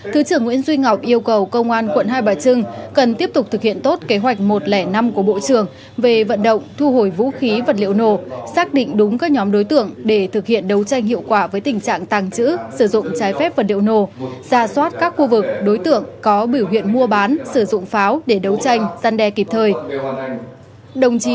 thứ trưởng nguyễn duy ngọc yêu cầu công an quận hai bà trưng cần tiếp tục thực hiện tốt kế hoạch một trăm linh năm của bộ trưởng về vận động thu hồi vũ khí vật liệu nổ xác định đúng các nhóm đối tượng để thực hiện đấu tranh hiệu quả với tình trạng tàng trữ sử dụng trái phép vật liệu nổ ra soát các khu vực đối tượng có biểu hiện mua bán sử dụng pháo để đấu tranh giăn đe kịp thời